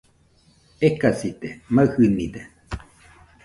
Ekasite, maɨjɨnide